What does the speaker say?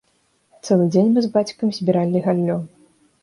Цэлы дзень мы з бацькам збіралі галлё.